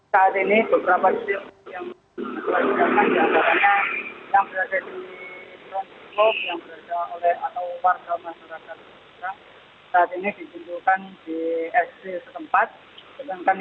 saat ini beberapa situasi yang diadakan di adatannya